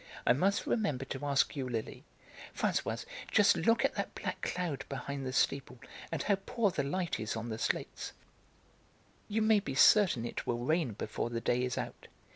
I must remember to ask Eulalie... Françoise, just look at that black cloud behind the steeple, and how poor the light is on the slates, you may be certain it will rain before the day is out.